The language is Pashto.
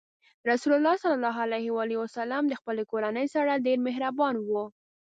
رسول الله ﷺ د خپلې کورنۍ سره ډېر مهربان و.